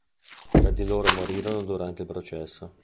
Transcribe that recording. Tre di loro morirono durante il processo.